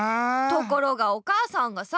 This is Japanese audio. ところがお母さんがさ